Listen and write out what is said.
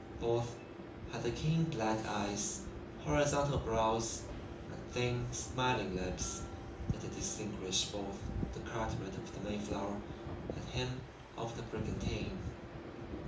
Both had the keen black eyes, horizontal brows, and thin, smiling lips that had distinguished both the Carteret of the Mayflower and him of the brigantine.